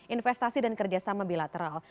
investasi dan kerjasama bilateral